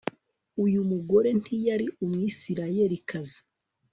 Uyu mugore ntiyari Umwisirayelikazi